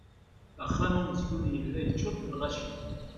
Axxam umezgun yella yeččur d lɣaci.